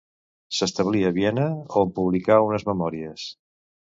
S'establí a Viena, on publicà unes memòries.